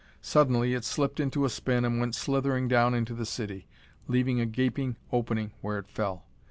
Suddenly it slipped into a spin and went slithering down into the city, leaving a gaping opening where it fell.